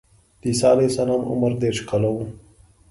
د عیسی علیه السلام عمر دېرش کاله و.